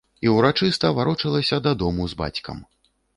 І ўрачыста варочалася дадому з бацькам.